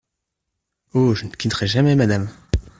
Oh ! je ne quitterai jamais Madame !